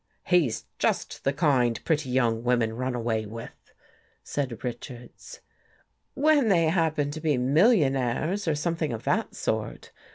He's just the kind pretty young women run away with," said Richards. " When they happen to be millionaires or some thing of that sort.